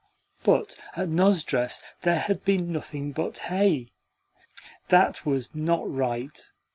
But at Nozdrev's there had been nothing but hay! That was not right.